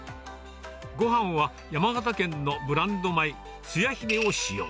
ごはんは山形県のブランド米、つや姫を使用。